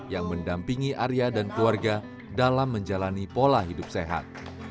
yang mendampingi arya dan keluarga dalam menjalani pola hidup sehat